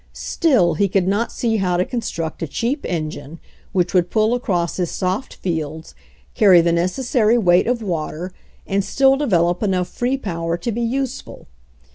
' Still he could not see how to construct a cheap engine which would pull across his soft fields, carry the necessary weight of water, and still de velop enough free power to be useful.